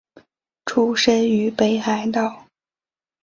出身于北海道。